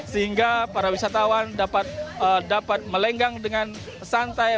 sehingga para wisatawan dapat melenggang dengan santai